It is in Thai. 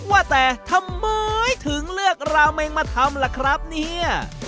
ว่าแต่ทำไมถึงเลือกราเมงมาทำล่ะครับเนี่ย